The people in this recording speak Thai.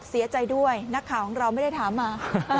เสียใจด้วยนักข่าวของเราไม่ได้ถามมา